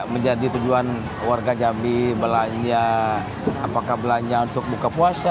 menjadi tujuan warga jambi belanja apakah belanja untuk buka puasa